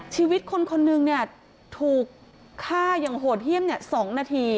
ชีวิตคนคนหนึ่งถูกฆ่าอย่างโหดเยี่ยม๒นาที